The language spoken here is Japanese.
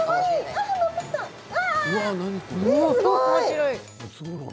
すごーい！